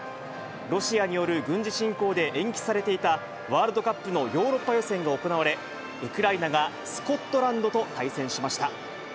ロシアによる軍事侵攻で延期されていたワールドカップのヨーロッパ予選が行われ、ウクライナがスコットランドと対戦しました。